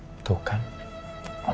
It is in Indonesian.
iya om aku kangen sama mama